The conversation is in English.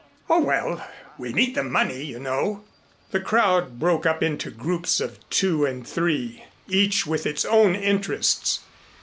"Oh, well, we need the money, you know." The crowd broke up into groups of two and three, each with its own interests.